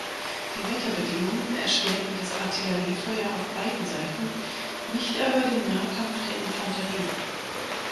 Die Wetterbedingungen erschwerten das Artilleriefeuer auf beiden Seiten, nicht aber den Nahkampf der Infanterie.